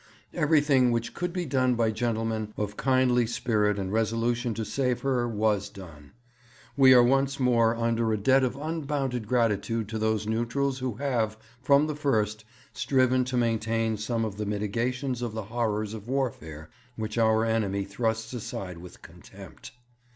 Everything which could be done by gentlemen of kindly spirit and resolution to save her was done. We are once more under a debt of unbounded gratitude to those neutrals who have, from the first, striven to maintain some of the mitigations of the horrors of warfare which our enemy thrusts aside with contempt.